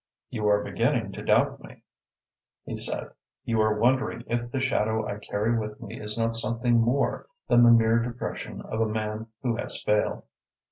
"You are beginning to doubt me," he said. "You are wondering if the shadow I carry with me is not something more than the mere depression of a man who has failed."